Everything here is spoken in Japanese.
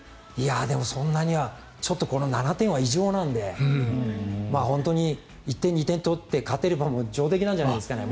そんなにはちょっとこの７点は異常なので本当に１点、２点取って勝てれば上出来なんじゃないですかね。